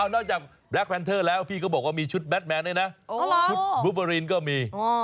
อ้าวนอกจากแบล็คแฟนเทอร์แล้วพี่ก็บอกว่ามีชุดแบทแมนเนี้ยนะอ๋อชุดวูเวอรีนก็มีอ๋อ